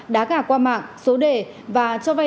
đá gà qua mạng số đề và cho vay